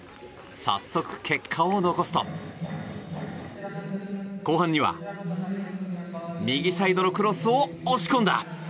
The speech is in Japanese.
早速、結果を残すと後半には右サイドのクロスを押し込んだ！